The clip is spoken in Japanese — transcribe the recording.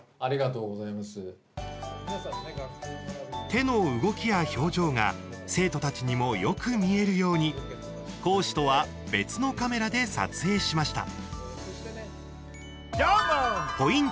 手の動きや表情が生徒たちにもよく見えるように講師とは別のカメラで撮影しました。